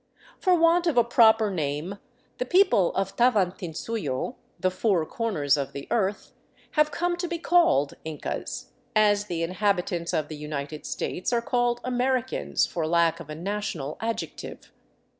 For want of a proper name the people of Tavantinsuyo, the Four Corners of the Earth, have come to be called Incas, as the inhabitants of the United States are called Americans for lack of a national adjective.